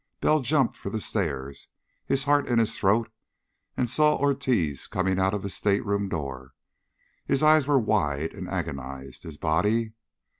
Bell jumped for the stairs, his heart in his throat, and saw Ortiz coming out of his stateroom door. His eyes were wide and agonized. His body....